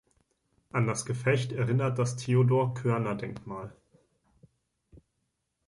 An das Gefecht erinnert das Theodor-Körner-Denkmal.